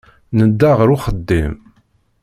Nedda ɣer uxeddim.